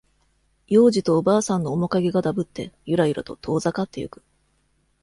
幼児とおばあさんの面影がだぶって、ゆらゆらと遠ざかっていく。